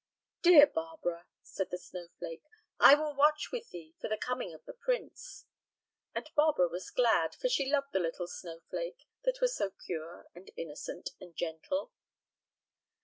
"Dear Barbara," said the snowflake, "I will watch with thee for the coming of the prince." And Barbara was glad, for she loved the little snowflake, that was so pure and innocent and gentle.